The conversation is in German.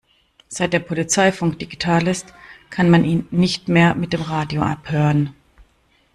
Seit der Polizeifunk digital ist, kann man ihn nicht mehr mit dem Radio abhören.